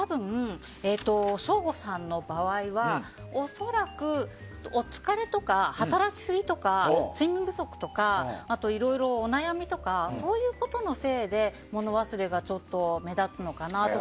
省吾さんの場合は恐らく、お疲れとか働きすぎとか睡眠不足とかあといろいろお悩みとかそういうことのせいで物忘れが目立つのかなと。